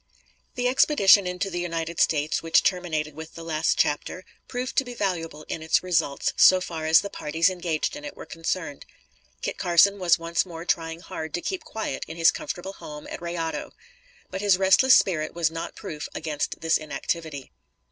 The expedition into the United States which terminated with the last chapter, proved to be valuable in its results so far as the parties engaged in it were concerned. Kit Carson was once more trying hard to keep quiet in his comfortable home at Rayado. But his restless spirit was not proof against this inactivity.